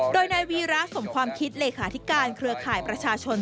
โดยนายวีระสมความคิดเลขาธิการเครือข่ายประชาชน